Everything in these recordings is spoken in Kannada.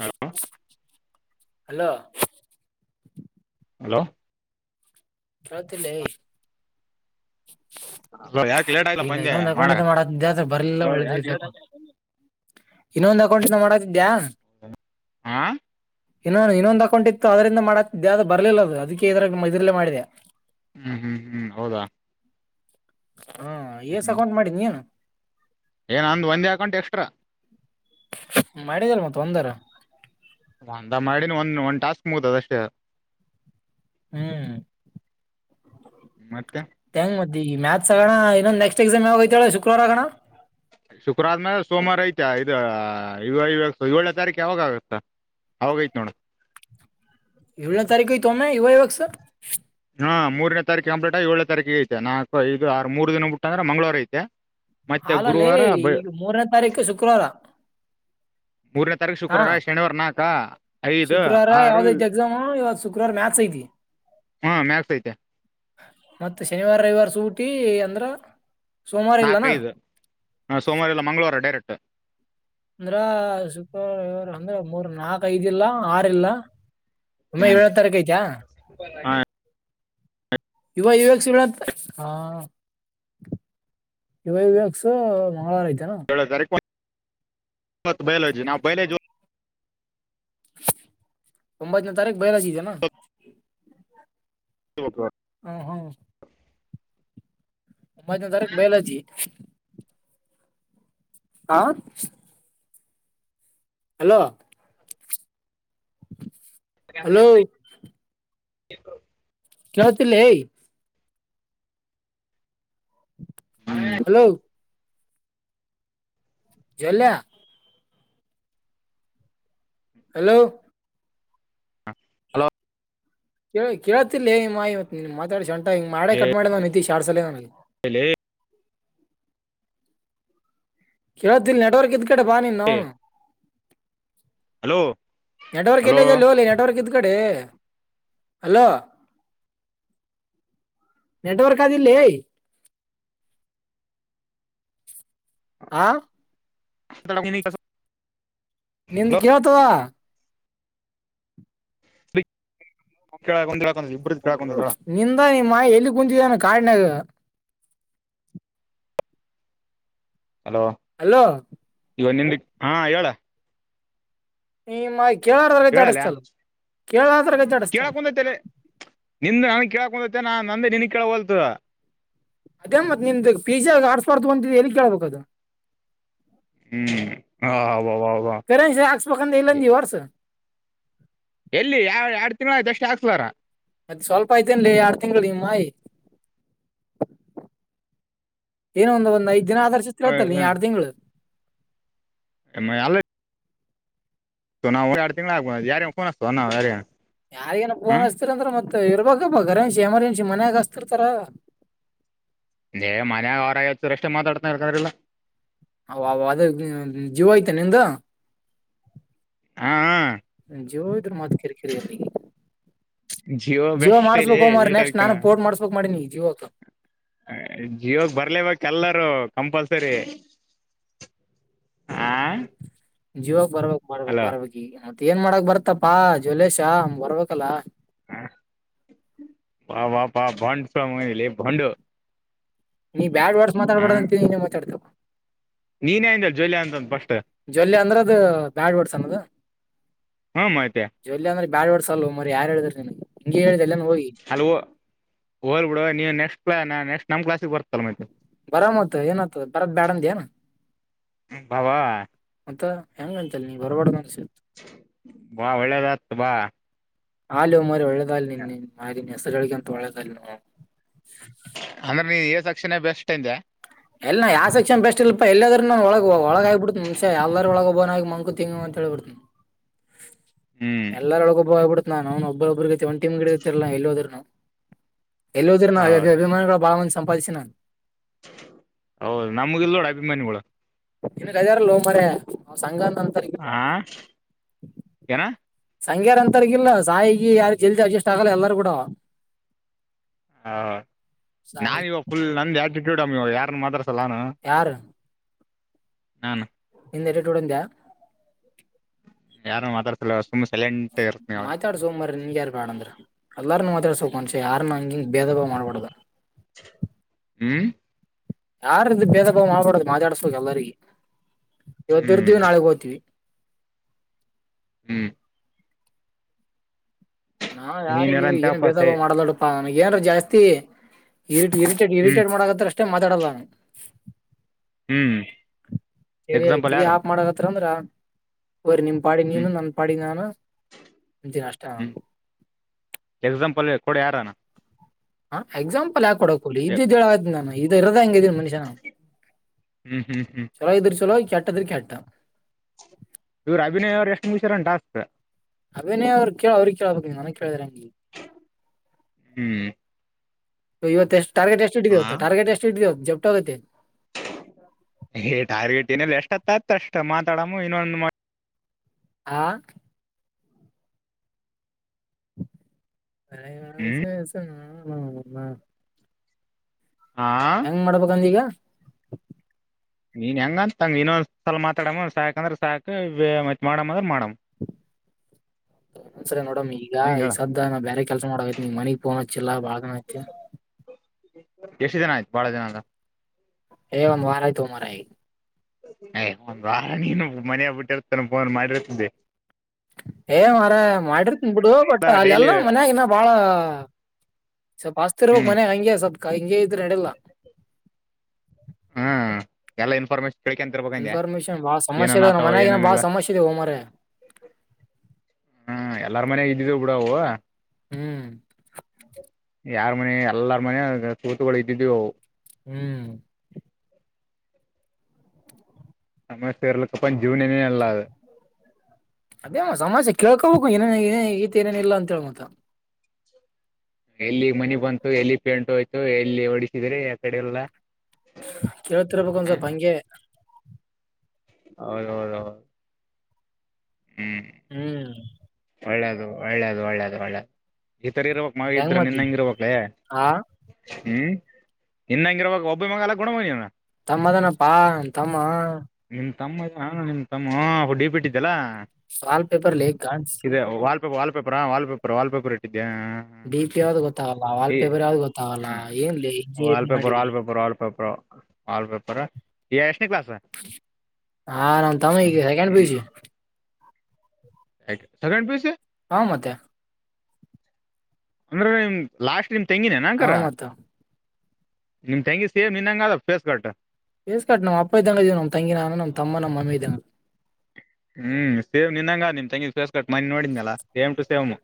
ಹಲೋ ಹಲೋ ಹಲೋ [unintelligible] [unintelligible] ಇಲ್ಲ ಪಂದ್ಯ ಇನ್ನೊಂದು ಮಾಡಕ ಅಕೌಂಟಿಂದ ಮಾಡಕಹತಿದ್ಯಾ ಬರ್ಲಿಲ್ಲ ಅದು ಇನ್ನೊಂದು ಅಕೌಂಟ್ಸನ ಮಾಡಕಿದ್ಯಾ ಹಾ ಇನ್ನ ಇನ್ನೊಂದ್ ಅಕೌಂಟಿತ್ತು ಅದರಿಂದ ಮಾಡಕ್ ದಾ ಬರ್ಲಿಲ್ಲ ಅದು ಅದಕ್ಕೆ ಇದ ಇದ್ರಲ್ಲೇ ಮಾಡಿದೆ ಹ್ಮ್ ಹ್ಮ್ ಹ್ಮ್ ಹೌದಾ ಹಾ ಎಸ್ ಅಕೌಂಟ್ ಮಾಡಿದಿ ನೀನು ಏನ ನಂದ್ ಒಂದೇ ಅಕೌಂಟ್ ಎಕ್ಸಷ್ಟ್ರಾ ಮಾಡಿದಿಲ್ ಒಂದರ ಅಂದ ಮಾಡಿನ ಒಂದ ಒಂದ್ ಟಾಸ್ಕ್ ಮುಗುದದಷ್ಟೇ ಹ್ಮ್ ಮತ್ತೆ ಮೆ ಇದ ಮ್ಯಾತ್ಸ್ ಆಗೋಣ ಇನ್ನೊಂದು ನೆಕ್ಸ್ಟ್ ಎಕ್ಸಾಮ್ ಯಾವಗೋತಾಳ ಶುಕ್ರವಾರ ಆಗೋಣ ಶುಕ್ರವಾರ ಆದ್ಮೇಲೆ ಸೋಮವಾರ ಐತಾ ಇದು ಏಳೇ ತಾರೀಕು ಅವಾಗ ಆಗತ್ತಾ ಅವಾಗೈತ ನೋಡ ಯೋಳ ತಾರಕ ತ ಅಮೇ ಇವ ಇವಾಗಕ್ಷ ಹಾ ಮೂರನೇರೀು ಕಂಪ್ಲಟ್ಟ ಏನ ತಾರೀಗೆ ಐ ನಾಕುಐದು ಆರು ಮೂರು ದಿನ ಬ ಬಿಟ್ಟಂದ್ರೆ ಮಂಗಳವಾರ ಐತೆ ಮತ್ತೆ ಹಾಲಲ್ಲಿ ಗುರುವಾರ ಈಗ ಮೂರನೇ ತಾರೀಕು ಶುಕ್ರವಾರ ಮೂರನೇ ತಾರೀಕು ಹಾ ಶುಕ್ರವಾರ ಶನಿವಾರ ನಾಲ್ಕ ಐದು ಶುಕ್ರವಾರ ಆರು ಯಾವ್ದಐತಿ ಎಕ್ಸಾಮ್ ಇವ ಶುಕ್ರವಾರ ಮ್ಯಾಥಸ್ ಐತಿ ಹಾ ಮ್ಯಾಕ್ಸ್ಐತೆ ಮತ್ತೆ ಶನಿವಾರ ರವಿವಾರ ಸೂಟಿ ಅಂದ್ರ ಸೋಮವಾರ ಇಲ್ಲನಾ ನಾಲ್ಕದು ಹಾಂ ಸೋಮವಾರ ಎಲ್ಲ ಮಂಗಳವಾರ ಡೈರೆಕ್ಟ್ ಅಂದ್ರ ಸುಪ ಅಂದ್ರ ಮೂರ್ ನಾಕ್ ಐದ ಇಲ್ಲಾ ಆರ್ಲ್ಲ ಸುಮ್ಮಾ ಹ್ಮ್ ಏಳದ ತಾರೀಕು ಐತಾ ಏಳನೇ ಯುವ ಯವಕ್ ಶ ಹಾ ಇವ ಇವಕ್ಸು ಮಂಗಳವಾರ ಐತ ಏ ತಾರು ಬಯಲಜಿ ನಾವು ಬಯಲಜಿ ಅಂಬಾಜ ನ ತಾರಖ ಬಹರಾಜಿದೆ ಓದ್ಬೇಕು ಹ ಹಾ ಮಜ್ ತರಕ್ ಬಯಲಜಿ ಹಾ ಹಲೋ ಹಲೋ ಇ ಕೇಳ ಹಲೋ ಜಲ್ಲ ಹಲೋ ಹ ಹಲೋ ಕೇಳ ಕೇಳತಿಲ್ಲೇ ಮಾ ಇವ ಮಾತಾಡಿ ಶ ಸಂಟ ಹ ಮಾಡೆ ಕಟ್ ಮಾಡಿದ ನ ನಿತಿ ಶಾರಡ್ಸಲ್ಲ ನನಗೆ ಹೇಳಲ ಕೇಳತಿಲ್ ನೆಟ್ವರ್ಕ್ ಇದ್ ಕಡೆ ಬಾನಿ ನ್ನು ಹಲೋ ನೆಟವರ್ಕ ಹಲೋ ಇಲ್ಲ ಚಲ್ಲಲ್ಲ ನೆಟವರ್ಕ ಕಡೆ ಹಲೋ ನೆಟ್ವರ್ಕ್ ಆದದಿಲ್ಲ ಆ ಕಸ ನಿಂದು ಕೇಳ್ತದ ಕೆ ಒಂದ ನಿಂತಾ ನೀ ಮಾ ಎಲ್ಲಿ ಕುಂತಿದಾನು ಕಡಿನಾಗ ಹಲೋ ಹಲೋ ಇವ ನಿಂದಿ ಹಾ ಹೇಳ ಈಮ್ಮ ಕೇಳಾರ್ರ ಹೇಳಲ್ಲ ಅಡಸ್ತಲ್ ಕೇಳದ್ರಗ ದ ಅಡಸ್ತಲ್ ಕೇಳಕೊಂದೈತೆ ನಿಂದ ನನ್ಗ್ ಕೇಳಕ ಹೊಂದೈತೆ ನಾ ನಂದೆ ನಿನ್ ಕೇಳಲ್ತ ಅದೇ ಮತ್ ನಿಮ್ದ ಪಿಜ ಆಡ್ಸ್ಬಾರ್ದು ಬಂತಿ ಎಲ್ಲಿ ಕೇಳ್ಬ ಅದು ಹ್ಮ್ ಆ, ವಾ, ವಾ, ವಾ. ಕರೆ ಸ ಆಕ್ಷಪಖಂಡಂತ ಎ- ಇಲ್ಲಂದ ವರ್ಸ ಎಲ್ಲಿ ಯ ಎರಡ್ ತಿಂಗಳು ಎಷ್ಟು ಹಾಕ್ಲಾರ ಮದ ಸ್ವಲ್ಪ ಐ್ತನ್ ಎರಡ್ ತಿಂಗಳು ನಿಮ್ಮಾಯಿ ಏನ ಒಂದ ಒಂದ ಐದ್ ದಿನ ಆದರ್ಶತಿರತ್ತಲ್ಲ ನೀ ಯಾರ್ಡ್ ತಿಂಗಳು ಮೇ. ಅಲರೆಡಿ ಸೊ ನಾವು ಯಾಡ ತಿಂಗಳ ಆಗುವ ಯಾರಗರ ಫೋನ್ ಅಚ್ಚುತೀವಿ ನಾ ಯಾರಗನ ಯಾರಿಗನ ಫೋನ್ ಅನ್ಸ್ತೀರ ಅಂದ್ರ ಮತ್ತ ಇರಬೇಕಪ್ಪ ಕರನ್ಸಿ ಎಮರ್ಜೆನ್ಸಿ ಮನ್ಯಾಗಸ್ತಿರ್ತಾರ. ಲೆ ಮನೆಗ ಅವರ ಅಚಿದರ ಅಷ್ಟೇ ಮಾತಾಡ್ತೀನಿ ಇಲಕಂದ್ರಾ ಇಲ್ಲ. ಹವ ಹವ ಜೀವ ಐತಾನ ನಿಂದು. ಹಹ ಹಹಾ ಜಿಯೋ ಇದ್ರ ಮತ್ ಕಿರಿಕಿರಿ ಇಲ್ಲ ಈಗ. ಜಿಯೋ ಬೆಸ್ಟಲೆ ಇಲ್ಲ ನೆಕ್ಸ್ಟ್ ಏರಟೆಲಕಿನ. ನಾನು ಪೋರ್ಟ್ ಮಾಡಿಸ್ಬೇಕು ಮಾಡೀನಿ ಜೀವಕ್ಕ ಜೀಯೋಕ ಬರ್ಲೇಬೇಕ ಎಲ್ಲಾರೂ. ಕಂಪಲ್ಸರಿ ಹಾ ಜೀಯೋಕ್ ಬರ್ಬೇಕ - ಬರ್ಬೇಕ್- ಈಗ ಮತ್ತ ಏನ್ ಮಾಡಾಕ್ ಬರ್ತಪಾ ಜ್ವಲೇಶ ಬರ್ಬೇಕಲ್ಲ. [inaudible] ನೀ ಬ್ಯಾಡ್ ವರ್ಡ್ಸ್ ಮಾತಾಡಬ್ಯಾಡದ ಅಂತ ಹೇಳನಿ ನೀ ಮಾತಾಡ್ತಪ ನೀನೆ ಅಂದೇ ಜ್ವಲ್ಯ ಜ್ವಲ್ಯ ಅಂದ್ರ ಅದ ಬ್ಯಾಡ್ ವಡ್ಸನದು. ಹ್ಮ ಮತ್ತೆ ಜ್ವಲ್ಯ ಅಂದ್ರ ಬ್ಯಾಡ್ ವಡ್ಸ ಅಲ್ಲಾ ಹೊ ಮಾರಯ್ಯ ಯಾರ ಹೇಳಿದ್ರ ನಿನ್ಗ ಹಿಂಗೆ ಹೇಳಿದ. ಅಲ ಹೋ ಹೊಲಿ ಬಿಡು ನೀವು ನೆಕ್ಸ್ಟ ನೆಸ್ಟ ನಮ್ಮ್ ಕ್ಲಾಸ್ಗಿ ಬರ್ತ. ಬರಮ ಮತಾ ಏನಾತದ ಬರದ ಬ್ಯಾಡಂದಯನ. ಬಾ ಬಾ ಹ ಅಂತಲೀ ನೀ ಬರ್ಬಡ್ದ ಅನ್ಸ ಬಾ ಒಳ್ಳೆದಾತ ಬಾ. ಹಾಲಿ ಹೋ ಮಾರಯ್ಯ ಒಳ್ಳೆದಾಲ ನಿನ್ನ ಮಾರಿನ ಹೆಸರು ಹೇಳಿಕಂತ ಒಳ್ಳೆದಲ [unintelligible] ಅಂದ್ರೆ ನೀ ಎ ಸೆಕ್ಷನ್ ಬೆಸ್ಟಂದಾ ಎಲ್ಲ ಯಾವ ಸೆಕ್ಷನ್ ಬೆಸ್ಟ್ ಇಲಪ ಎಲ್ಲಾದ್ರೂ ನ ಒಳಗ ಒಳಗಾಗಿ ಬಿಡುತೀನಿ ಮನುಷ ಎಲ್ಲರಹೊಳಗ ಒಳಗ ಒಬ್ಬನಾಗಿ ಮಂಕುತಿಮ್ಮ ಅಂತ ಅಂತ ಹೇಳಿಬಿಡ್ತೀನಿ ಹ್ಮ್ ಎಲ್ಲಾರ ಒಳಗೊಬ್ಬ ಆಗಿಬಿಡತಿನಿ ನಾನು ಒಬ್ಬರೊಬ್ಬ್ರ ಗತೆ ಒಂದ ಟಿಮ್ ಇ ಡ ಕತಿರಲ್ಲ ನಾ ಎಲ್ಲಿದ್ರೂನು ಎಲ್ಲಿ ಹೋದ್ರಿನು ನಾವು ಹೌದು ಅಭಿಮಾನಿಗಳು ಬಾಳ ಸಂಪಾದಿಸಿ ನಾನ ಹೌದು ನಮಗಿಲ್ ನೋಡ ಅಭಿಮಾನಿಗಳ ನಿನಗ ಅದರಲ್ಲೋ ಮರಯ್ಯ ಸಂಘ ಅಂತರ್ಗಿಲ್ಲ ಹಾ ಏನಾ ಸಂಗ್ಯಾರ ಅಂತರಿಗಿಲ್ಲ ಸಾಯಿಗಿ ಯಾರ ಜಲ್ದಿ ಅಡ್ಜಸ್ಟ್ ಆಗಲ್ಲ ಎಲ್ಲಾರೂ ಗೂಡ ಹ ನಾವ ಇವಾಗ ಫುಲ್ ನಂದ ಫುಲ್ ಆಟಿಟ್ಯೂಡ್ ಮ ಇವಗ ಯಾರರ ಮಾತಡಸತಾರ್ ಚೋಲಾನು ಯಾರ ನಾನ ನಿಂದ ಯಾಟಿಟುಡ್ ಅಂದ ಯಾರನಾ ಮಾತಾಡ್ತಿರಲ್ಲ ಮಾತಾಡಸ ಹೋ ಮಾರಯ್ಯ ನಿನಗ ಯಾರ್ ಬ್ಯಾಡಂದ್ರ ಎಲ್ಲಾರನ ಮಾತಾಡ್ಸೋಕ ಮನ್ಷೆ ಯಾರ ಹಂಗಿಂಗ ಭೇದ ಭಾವ ಮಾಡಬಾರದ ಹ್ಮ್ ಯಾರ್ದ ಭೇದ ಭಾವ ಮಾಡ್ಬಾಡದು ಮಾತಾಡಸ್ಬೇಕು ಎಲ್ಲರಿಗ. ಹ್ಮ್ ಇವತ್ತರತಿವಿ ನಾಳಿಗ ಹೋಗ್ತೀವಿ. ಹ್ಮ್ ನಾ ಯಾರಗಿ ಏನ್ ನೀನ್ರಂತಪ ಬೇದ ಸೈ ಮಾಡಲಾಡಪ್ಪಾ ನನಗ ಏನರ ಜಾಸ್ತಿ. ಇರಿ ಇರಿಟೇಡ ಹ್ಮ್ ಇರಿಟೇಡ ಮಾಡಕತ್ತರ ಅಷ್ಟೇ ಮಾತಾಡಲ್ಲ ನಾನು ಹ್ಮ್ ತೇಲಿ ಎಕ್ಸಾಂಪಲ್ ತೇಲಿ ಯಾರ ಆಪ್ ಮಾಡಕತ್ರ ಅಂದ್ರ. ಹೊರಿ ನಿಮ್ ಪಾಡಿ ನೀನು ಹ್ಮ್ ನನ್ನ ಪಾಡಿ ನಾನು ಅಂತೀನಿ ಅಷ್ಟೇ ನಾನು. ಕೊಡಿ ಯಾರಾನ. ಹಾ ಎಕ್ಸಾಂಪಲ್ ಯಾಕ ಕೊಡಕ ಹೊಲಿ ಇದ್ದದ ಹೇಳಾಕಾತಿನಿ ಇದ ಇರದ ಹಂಗ ಐತಿ ಮನುಷ ನಾ ಹ್ಮ್ ಹ್ಮ್ ಹ್ಮ್ ಚಲೋ ಇದ್ರ ಚಲೋ ಕೆಟ್ಟ ಇದ್ರ ಕೆಟ್ಟ ಇವ್ರ ಅಭಿನಯ ಅವ್ರು ಎಷ್ಟು ಮುಗ್ಸ್ಯಾರೆನ್ ಟಾಸ್ಕ್, ಅಭೀನಯ ಅವ್ರ್ ಕೇಳ ಅವ್ರಿಗ್ ಕೇಳ್ಬೇಕು ನೀನ್ ನನಿಗ್ ಕೇಳಿದ್ರೆಂಗಿ ಹ್ಮ್ ಇವತ್ತು ಎಷ್ ಟಾರ್ಗೆಟ್ ಎಷ್ಟ್ ಹಾ ಇಟ್ಟಿದಿವತ್ತು ಟಾರ್ಗೆಟ್ ಎಷ್ಟ ಇಟ್ಟಿದೆವ ಜಸ್ಟ್ ಆಗೈತಿ. ಏ ಟಾರ್ಗೆಟ್ ಏನಿಲ್ಲ ಎಷ್ಟೋತ್ ಆತ್ ಅಷ್ಟ್ ಮಾತಾಡಮ್ಮ ಇನ್ನೊಂದು ಮ್ ಆ ಕರೆಯ ಎಸ ಹ್ಮ್ ಎಸ ಅವ್ನ್ ನೌನ ಹಾ ಗ್ ಮಾಡ್ಬೇಕಂದೀಗ. ನೀನ್ ಹೆಂಗ ಅಂತಂಗ್ ಇನ್ನೊಂದಸಲ ಮಾತಾಡಮ್ಮ ಸಾಕ ಅಂದ್ರ ಸಾಕ್ ಮತ್ತ್ ಮಾಡಮ್ಮ ಅಂದ್ರ ಮಾಡಮ್. [inaudible] ಒಂದ್ಸರಿ ನೋಡಮ್ ಈಗ ಹೆಂಗ ಈಗ ಹೇಳ ಸದ್ಯ ನಾ ಬೇರೆ ಕೆಲಸ ಮಾಡೊಕತ್ನೀ ಮನಗ್ಫೋನ್ ಹಚ್ಚಿಲ್ಲಾ ಬಾಳದಿನ ಐತಿ. [inaudible] ಎಷ್ಟು ದಿನ ಆಯ್ತು ಬಾಳ ದಿನ ಅಂದ್ರ ಏಯ್ ಒಂದ್ ವಾರ ಆಯ್ತು ಮಾರಯ್ ಏಯ್ ಒಂದ್ ವಾರ ನೀನು ಮನೆಯಾ ಬಿಟ್ಟಿರ್ತೇನ ಫೋನ್ ಮಾಡಿರ್ತಿದ್ದಿ. ಏ ಮಾರಯ ಮಾಡಿರ್ತಿನ್ ಬಿಡು ಬಟ್ ಡೈಲಿ ಅಲ್ಲೆಲ್ಲ ಮನ್ಯಾಗಿನ್ನು ಬಾಳ ಸ್ವಲ್ಪ ಆಸ್ತಿರ್ವಾಗ ಹ್ಮ್ ಮನೆ ಹಂಗೆ ಸ್ವಲ್ ಹಿಂಗೆ ಇದ್ರೆ ನಡ್ಯಲ್ಲ. ಹ್ಮ ಎಲ್ಲಾ ಇನ್ಫಾರ್ಮೇಶ್ ಕಳ್ಕಂತೀರ್ಬೇಕಂದ್ಯ ಇನ್ಫಾರ್ಮೇಶನ್ ಬಾಳ ಸಮಸ್ಯೆ ಏನನ್ ಅದ ನಮ್ಮ ಆತವು ಮನ್ಯಾಗ ಏನ ಬಾಳ ಏನೇನಿಲ್ಲ. ಸಮಸ್ಯೆ ಇದೆ ಮಾರಾಯ ಹ್ಮ ಎಲ್ಲಾರ್ ಮನಯಾಗ ಇದ್ವಿ ಬಿಡವು. ಹ್ಮ್ ಯಾರ್ ಮನೆ ಎಲ್ಲಾರ ಮನೆಯಾಗ್ ತೂತುಗಳು ಇದ್ದಿದ್ವಿ ಅವು. ಹ್ಮ್ ನಮ್ಮ ಸೇರ್ಲಕ್ಕಪ್ಪನ್ ಜೀವನನೇ ಇಲ್ಲ ಅದು. ಅದೇನೋ ಸಮಸ್ಯೆ ಕೇಳ್ಕೋಬೇಕು ಏನೇನ್ ಆಗಿದೆ ಈತಿ ಏನೇನ ಇಲ್ಲ ಅಂತೇಳ್ ಮತ್ತ ಎಲ್ಲಿಗ್ ಮನಿ ಬಂತು ಎಲ್ಲಿ ಪೆಂಟು ಹೊಯ್ತು ಎಲ್ಲಿ ಹೊಡಿತಿದಾರೆ ಆ ಕಡೆ ಎಲ್ಲಾ ಕೇಳ್ತಿರ್ಬೇಕ ಒಂದ್ ಸ್ವಲ್ಪ ಹಂಗೆ. ಹೌದೌದೌದೌ ಹ್ಮ್ ಹ್ಮ್ ಒಳ್ಳೇದು ಒಳ್ಳೇದ್ ಒಳ್ಳೇದ್ ಒಳ್ಳೇದ್. ಈತರ ಇರ್ಬೇಕ್ ಮಗ ಹೆಂಗ್ ಇದ್ರ ನಿನ್ ಮತ್ತಿ ಹಂಗ್ ಇರ್ಬೇಕ್ಲೇ ಆ ಹ್ಮ ಇನ್ನಂಗಿ ಇರ್ಬಾಕ್ ಒಬ್ಬ ಮಗ ಅಲ್ ಗುಣವ್ ನೀನು. ತಮ್ಮ ಅದಾನಪ್ಪಾ ನನ್ ತಮ್ಮ. ನಿಮ್ ತಮ್ಮ ನಿನ್ ತಮ್ಮ ಹುಡಿ ಬಿಟ್ಟಿದ್ದಲ್ಲಾ ಸಾಲ್ಟ್ ಪೇಪರ್ ಲೇ ಗಾಡ್ಸ್ ವಲ್ಪೇಪರಾ ವಲ್ಪೇಪರ್ ವಲ್ಪೇಪರ್ ಇಟ್ಟಿದ್ಯಾ ಹಾ ಹ. ಡಿ ಪಿ ಯಾವ್ದ್ ಗೊತ್ತಾಗಲ್ಲ ವಾಲ್ಪೇಪರ್ ಯಾವ್ದ್ ಗೊತ್ತಾಗಲ್ಲ ಹಾ ಏನ್ಲಿ ವಾಲ್ ಇಂಜಿನಿಯರಿಂಗ್ ಪೇಪರ್ ಮಾಡಿದಿ. Wall paper wall paper wall paper ಆ ಎಷ್ ಹಾ ನನ್ ತಮ್ಮ ಈಗ second P U C. Second P U C ಹಾ ಮತ್ತೆ ಅಂದ್ರ ನಿಮ ಲಾಸ್ಟ್ ನಿಮ್ ತೆಂಗಿನೇನ ಹಾ ಹಂಗಾರ. ಮತ್ತ ನಿಮ್ ತೆಂಗಿ ಸೇಮ್ ನಿನ್ನಂಗ ಅದ ಫೇಸ್ ಕಟ್. ಫೇಸ್ ಕಟ್ ನಮ್ಮ ಅಪ್ಪ ಇದ್ದಂಗ ಇದೀವಿ ನಮ್ ತಂಗಿ ನಾನು ನಮ್ [unintelligible] ಹ್ಮ್ ಸೇಮ್ ನಿನ್ನಂಗ ನಿಮ್ ತಂಗಿ ಫೆಸ್ ಕಟ್ ಮನ್ನ್ ನೋಡಿದ್ನಲ್ಲ ಸೇಮ್ ಟು ಸೇಮ್.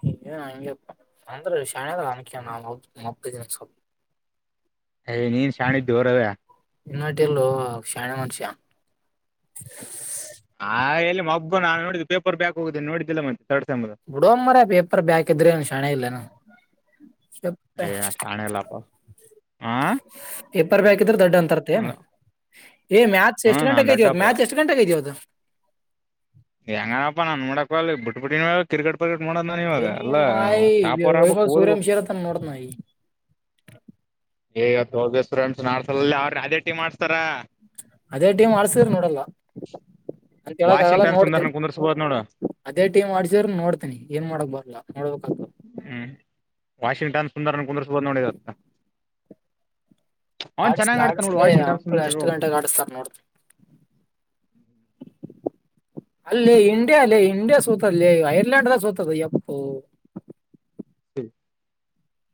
ಹ್ಮ್ ಹಂಗ್ಯಾಪ್ಪ ಅಂದ್ರ ಶಾಣೆ ಅದಾಳ [unintelligible] ಏಯ್ ನೀನ್ ಶಾಣಿದ್ಯೋ ರವ್ಯ ಇನ್ನಟಿಲ್ಲೋ ಅವ್ನ್ ಶಾಣೆ ಮನುಷ್ಯ. ಆ ಎಲ್ಲಿ ಮಬ್ಬು ನಾ ನೋಡಿದ್ದು ಪೇಪರ್ ಬ್ಯಾಕ್ ಹೋಗಿದೇನ್ ನೋಡಿದ್ದಿಲ್ಲ ಮತ್ ಬಿಡೋಮರ ಪೇಪರ್ ಬ್ಯಾಕ್ ಇದ್ರೆನು ಶಾಣೆ ಇಲ್ಲೇನು. ಏ ಶಾಣ ಇಲ್ಲಪ ಹಾ ಪರ್ಬಾಕಿದ್ರೆ ದೊಡ್ ಅಂತರ್ತಿಯೆನ್ ಹ್ಮ್ ಮ್ಯಾಚ್ ಎಷ್ಟ್ ನಾನ್ ಗಂಟೆಗೆ ಇದ್ಯದು ದಡ್ಡಪ್ಪ ಮ್ಯಾಚ್ ಎಷ್ಟ್ ಗಂಟೆಗೆ ಇದ್ಯೋ ಅದು. ಹೆಂಗನಪ್ಪ ನಾನನ್ ಮಾಡಡಕ ಅ ಬಿಟ್ಬ ಬಿಟ್ಟ ಕಿರ್ಟ್. ಇನ ಟಾಪರ್ ಆಗ್ಬೇಕು ಮಾಯಿಓಯಬಾವ್ ಓದ ಸೂರ್ಯವಂಶಿ ತನ ನೋಡ್ತಾಯ. ಹ [unintelligible] ಈಗತ್ತು ಹೋಗಿಸತ್ರಂಡ್ಸ್ ನಾಡ್ಸಲಲ್ಲಿ ಅವ್ರರು ಅದೇ ಟಿ ಮಾಡ್ಸ್ತಾರಾ. ಅದೇ ಟೀಮ್ ಆರ್ಸಿದ್ರ ನೋಡಲ್ಲ. ಅಂತ ಹೇಳಕ್ ಆಗಲ್ಲ ವಾಷಿಂಗ್ಟನ್ ಸುಂದರ್ನ ನೋಡ್ತನಿ ಕುಂದರ್ಸ್ಬೋದ್ ನೋಡು ಅದೇ ಟೀಮ್ ಆಡ್ಸಿದ್ರ ನೋಡ್ತನಿ ಏನ್ ಮಾಡಕ್ ಬಾರ. ನೋಬೇಕ. ಹ್ಮ್ ವಾಷಿಂಗ್ಟನ್ ಸುಂದರನ ಕುಂದರ್ಸಬದು ನೋಡಿದತ್ತ. ಆಡಿಸ್ಲಿ ಆಡಿಸ್ಲಿ ಮಕ್ಕಳು ಎಷ್ಟ್ ಗಂಟೆಗೆ ಆಡಿಸತಾರ ನೋಡ. [unintelligible] ಅಲ್ಲಿ ಇಂಡಿಯ ಅಲ್ಲಿ ಇಂಡಿಯಾ ಸೋತಲ್ಲಿ ಐರ್ಲೆಯಂಡ್ಲ್ಲ ಸೋತದ ಎಪ್ಪು. [unintelligible]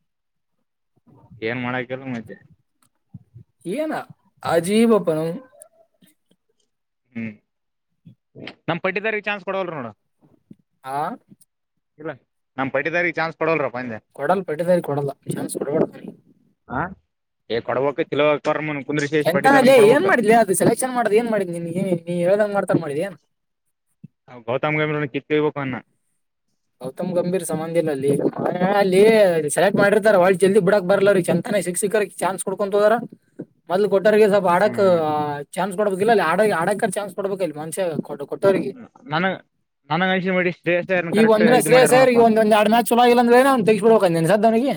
ಏನ್ ಮಾಡಕಲ್ ಮತ್ತೆ. ಏನಾ ಅಜೀವಪ್ಪನ. ಹ್ಮ್ ನಮ್ ಪಟ್ಟಿದಾರಿಗೆ ಚಾನ್ಸ್ ಕೊಡವಲ್ ನೋಡ. ಹಾ. ಇಲ್ಲ ನಮ್ ಪಟ್ಟಿದಾರ ಚಾನ್ಸ್ ಕೊಡ್ಲರೋ. ಕೊಡಲ್ಲ ಪಟ್ಟದರಿ ಕೊಡಲ್ಲ ಚಾನ್ಸ್ ಕೊಡಬಡರಿ. ಕೊಡಬೇಕಕ ತಿಲಾರ. ಎಂತನಲ್ಲ ಏನ್ ಮಾಡಿದ್ಿ ಅದು ಸೆಲೆಕ್ಷನ್ ಮಾಡೋದ ಏನ್ ಮಾಡಿದಿ ಏ ನೀ ಹೇಳ್ದಂಗ ಮಾಡ್ತಾರ ಮಾಡಿದಿಏನ್. ಗೌತಮ್ ಗ ನೋ ಕಿತ್ಕಬೇಕು ಅವನ್ನ. ಗೌತಮ್ ಗಂಭೀರ್ ಸಂಬಂಧಿ ಇ ಅಲ್ಲಿ ಅಲ್ಲಿ ಸೆಲೆಕ್ಟ್ ಮಾಡಿರ್ತಾರ ಒಳ ಜಲ್ದಿ ಬಿಡಕ್ ಬರ್ಲ ರೀ ಚಂತ. ಶಿಕ್ಕ್ಷಿಕರ ಚಾನ್ಸ್ ಕೊಡ್ಕೊು ಹದರಾ. ಮೊದ್ಲು ಕೊಟ್ಟರಿಗೆ ಸ್ವಲ್ಪ ಆಡಕ್ ಹ್ಮ್ ಚಾನ್ಸ್ ಕೊಡ್ಬೇಕಲ್ಲ ಆಡ ಆಡಕ ಚಾನ್ಸ್ ಕೊಡ್ಬೇಕಕ್ ಇಲ್ಲಿ ಮನುಷ್ಯ ಕೊಟ್ಟ. ಕೊಟ್ಟೋರಿಗೆ ನನ ನನಂಗ ಅಂಸ ಮಾಢಿ ಶ್ರೇಯಸ್ ಐಯರ್. ಈಗ ಒಂದೇ ಶ್ರೇಯಸ್ ಐಯರ್ ಈಗ ಒಂದ ಎಡು ಮ್ಯಾಚ್ ಚಲಲ್ಲ ಅಂದ್ರೆ ನು ತಗಸ್ ಬಿಡ್ಬೇಕಂತ ಸದವನಿಗೆ.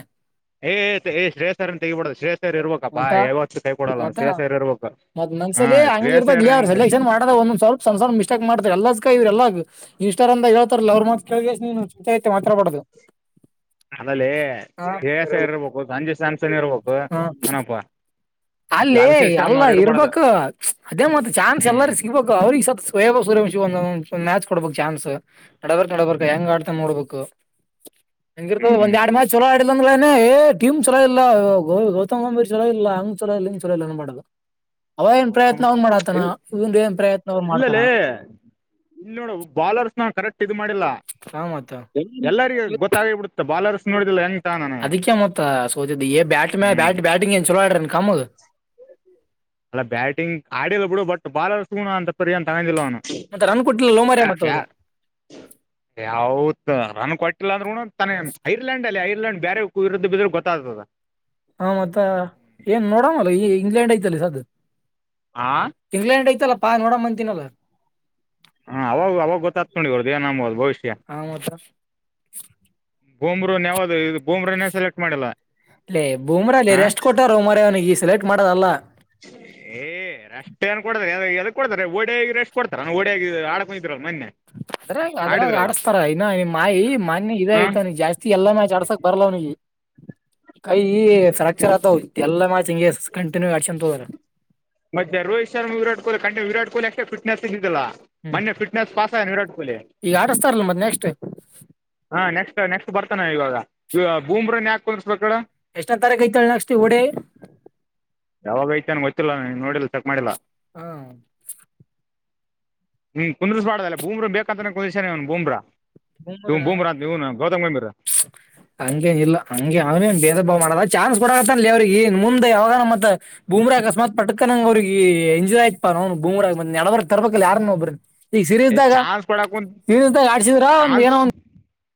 ಏ್ ಶ್ರೇಯ್ವರನ ತಗಿಬಡದು ಶ್ರೇಯ್ವರಿ ಇರ್ಬೇಕಾ ಬಾ ಮತ್ತ ಯಾವತ್ತುು ತೈ ಕೊಡಲ್ಲ ಶ್ರೇಸ್್ವರ್ ಇರ್ಬೇಕ. ಮತ್ತ ಮನ್ಸಲಿ ಹಂಗ ಇರ್ದಾಗ ಅವ ಸಲೆಕ್ಷನ್ ಮಾಡದ ಒಂದ್ವಲ್ಪ ಒ್ವಲ್ ಮಿಸ್ಟಕ್ ಮಾಡತ ಎಲ್ಲದ್ ಇವ್ರ ಎಲ್ಲ. ಇಷ್ಟಾರಂದ ಹೇಳ್ತಾರಲ ಅವ್ರ ಮಾತ್ ಕೇಳಗೆ ನೀ ಚತೆ ಮಾತ್ರಬಡದು. ಅದಲ್ಲಿ ದವಾಸ ಇರ್ಬೇಕು ಸಂಜೆ ಸ್ಯಾಮ್ಸನ್ ಇರ್ಬೇಕು ಏನಪ್ಪ. ಅಲ್ಲ ಅಲ್ಲ ಇರ್ಬೇಕು ಅದೇ ಮತ್ತ ಚಾನ್ಸ್ ಹ್ಮ್ ಎಲ್ಲಾರ ಸಿಗ್ಬೇಕು ಅವ್ರಿಗೆ ಸತ್. ಸೂರ್ಯಂಶ ಒಂದು ಮ್ಯಾಚ್ ಕೊಡ್ಬೇಕಕ್ ಚಾನ್ಸ್ ನಡಬರ್ಕ್ ನಡಬರ್ ಹೆಂಗ್ ಆಡ್ತಾ ನೋಡ್ಬೇಕು. ಹಂಗಿರ್ತ ಒಂದ್ ಹ್ಮ್ ಎರಡ್ ಮಾ ಚಲೋ ಆಡಲಂಗಲಏ. ಟಮ್ ಚಲ ಇಲ್ಲ ಗ ಗೌತಮ್ ಗಾಭೀರ್ ಚಲ ಇಲ್ಲ ಹಂಗ ಚಲ ಇಲ್ಲ ಹಂಗ್ ಚಲ ಇಲ್ಲಏನ್ ಮಾಡೋದು. ಅವ ಏನ್ ಪ್ರಯತ್ನ ಅವ್ನ್ ಮಾಡತಾನ ಇಲ್ ಇನ್ ಏನ್ ಪ್ರಯತ್ನ ಅವನ್ ಮಾಡ್ತಾರ. ಇಲ್ಲಿ ನೋಡು ಬಾಲರ್ಸ್ ನ ಕರೆಕ್ಟ್ ಇ ಮಾಡಿಲ್ಲ ಹಾ ಮತ್ತ ಎಲ್ಲರಿಗ ಗೊತ್ತಾಗೇಬಿಡುತ್ತ. ಬಾಲರ್ಸ್ ನೋಡಿದಿಲ್ಲ. ತಾನಾನ ಅದಕ್ಕೆ ಮತ್ತ ಸೋಚಿದ್ದ ಬ್ಯಾಟ್ ಮ ಬ್ಯಾ ಹ್ಮ್ ಬ್ಯಾಟಿಂಗ್ ಏನ್ ಚಲೋ ಆಡ್ರನ್ ಕಾಮಲ್. ಅಲ್ಲ ಬ್ಯಾಟಿಂಗ್ ಆಡಿಿಲ್ಲ ಬಿಡು ಬಟ್ ಬಾಲರ್ ಸುಣ ಅಂತ ಪರಿ ಏನ್ ತಗೊಂಡಿಲ್ಲ ಅವನು. ಮತ್ತ ರನ್ ಕೊಟ್ಟಿಲ್ಲ ಲೋ ಮಾರ್ರೆ ಮತ್ತ ಯ ಅವ್ರು ಯಾವತ್ ರನ್ ಕೊಟ್ಟಿಲ್ಲ ಅಂದ್ರ ಉಣ. ತಾನ ಐರ್ಲೆಂಡ್ಲ್ಲಿ ಐರ್ಯಂಡ್ ಬೇರೊ ಇರುದ್ದ ಬಿದ್ರೆ ಗೊತ್ತ್ತದ. ಹ ಮತ್ತ ಏನ್ ನೋಡಂಗಲ್ಲ ಈ ಇಂಗ್ಲೆಂಡ್ ಐತಲ್ಲಿ ಸದತ್. ಆ ಇಂಗ್ಲೆಂಡ್ ಐತಲ್ಲ ಪಾ ನೋಡ ಬತಿನಲ್ಲ. ಹಾ ಅವಾಗ ಅವಾಗ ಗೊತ್ತತ್ ನೋಡಿ ಇ ಅವರದದು ಏನದು ಭವಿಷ್ಯ. ಹಾ [unintelligible] ಬೋಮ್ರರುನ್ ಯಾವ್ದದು ಇದು ಬೋಮ್ರನೇ ಸೆಲೆಕ್ಟ್ ಮಾಡಿಲ್ಲ. ಅಲ್ಲೇ ಬೂಮ್ರ ಅಲ್ಲಿ ಹಾ ರೆಸ್ಟ್ ಕೊಟ್ಟಾರ ಮರವನಿಗೆ ಸೆಲೆಕ್ಟ್ ಮಾಡದಲ್ಲಾ. ಏ್ ರೆಷ್ಟಟ್ ಏನ್ ಕೊಡ್ತಾರೆ ಎದ ಕೊಡ್ತಾರೆ ಓಡಾಗಿ ರೆಸ್್ ಕೊಡ್ತಾರ ಓಡ ಆಾಡಕ. ಹ [unintelligible] ಅದ್ರ ಅದ್ರಾಗ ಆಡಸ್ತಾರ ಇನ್ನ ನಿ ಮಾಯಿ ಮಾನ್ ಇದ ಹಾ ಆಐ್ತ ನೀ ಜಾಸ್ತಿ ಎಲ್ಲ ಮಾಿ ಆಡ್ಸಕ್ ಬರ್ಲವ್ನಿಗೆ. ಕೈ ಫ್ರಾಕ್ಚರ್ ಆತವ ಎಲ್ಲ ಮ ಹಂಗಗೆ ಕಂಟಿನ್ಯೂ ಆಡ್ಸನ್ ತೋ್ರ ಮತ್ತೆ ರೋಹಿತ್ ಶರ್ಮ ವಿರಾಟ್್ಲಿ ಕಂಡ ವಿರಾಟ್ ಕೊಹಲಿಷ್ಟ ಫಿಟ್ನೆಸ್ ಇದಾ ಹ್ಮ್ ಮನ್ನೆ ಿಟ್ನೆಸ್ ಪಾಸಾಯ ವಿರಾಟ್ ಕೊಹಲಿ ಈಗ ಆಡಸ್ತಾರಲ್ಲ ಮತ್ ನೆಕ್ಸ್ಟ್ ಹಾ ನೆಕ್ಸ್ಟ್ ನೆಕ್ಸ್ಟ್ ಬರ್ತಾನ ಇವಾಗ ಬೂಮ್ರನ್ ಯಾಕ್ರ ಡ ಎಷ್ಟನೇ ತಾರೀಕು ಐತಾಳ ನೆಕ್ಸ್ಟ್ ಓಡೆ ಯಾವಾಗಐತ ಅನ ಗೊತ್ತಿಲ್ಲ ಚೆಕ್ ಮಾಡಿಲ್ಲಾ ಹಾ ಹ್ಮ್ ಕುುದ್ರಿಸ್ಬಾರ್ದಲ್ಲ ಬೂಮ್ರ ಬೇಕಂತಾನ ಕುುದಾನ ಅವ್ನ್ ಬೂಮ್ರಾ ತು ಬುಮ ರ ನೀ ಗೌ ಹಂಗಗೆ ನಿಲ್ಲ ಅಂಗಗೆ ಅವ ಭೇದ ಭಾವ ಮಾಡದ ಚಾರ ಕೊಡ ಅಲ್ಲಿ ಅವ್ರಿಗೆನ್ ಮುಂದೆ ಯಾವಾಗ ಮತ್ತತ್ ಭೂಮ್ರಿ ಅಕಸ್ಮಾತ್ ಪಟ್ಕನಂಗ ಅವ್ರಿಗೆ ಎಂಜಾಯ್ ಆಯತ್ಪಾ ನ ಬರ ನಡವರ್ ತರ್ಬ ಯಾರನ್ನ ಒಬ್ಬ್ರ ಈಗ ಏ ಸೀರಯಸ್್ದಾಗ ಸೀರಯಸ್್ದಾಗ ಆಡ್ಸಿದ್ರ ಒಂದ್ ಆಲ್ ಏನೋ